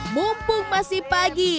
mumpung masih pagi